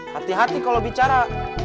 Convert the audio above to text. hati hati kalau bicara